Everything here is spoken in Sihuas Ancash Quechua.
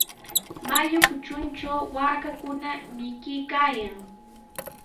Mayu kutruntraw waakakuna mikuykaayan.